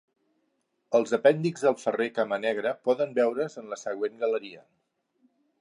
Els apèndixs del ferrer camanegre poden veure's en la següent galeria.